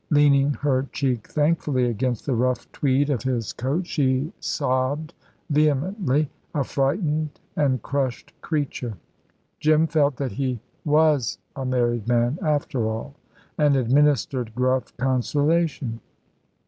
Leaning her cheek thankfully against the rough tweed of his coat, she sobbed vehemently, a frightened and crushed creature. Jim felt that he was a married man after all, and administered gruff consolation.